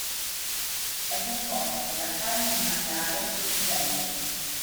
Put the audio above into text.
É composto da carne di maiale e piselli.